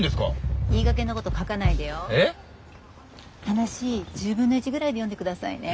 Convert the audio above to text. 話１０分の１ぐらいで読んでくださいね。